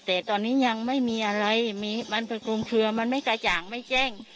แต่ตอนนี้ยังไม่มีอะไรมันไปคลุมเคลือมันไม่กระจ่างไม่แจ้ง